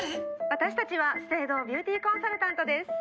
私たちは資生堂ビューティーコンサルタントです。